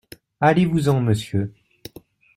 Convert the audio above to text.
Allez-vous en, monsieur !…